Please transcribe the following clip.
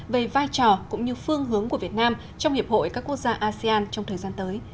về vai trò cũng như phương hướng của việt nam trong hiệp hội các quốc gia asean trong thời gian tới